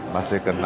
masih kenal gak ya